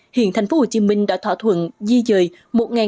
tp hcm có thể kiểm định sửa chữa chung cư cũ trên địa bàn